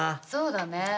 そうだね。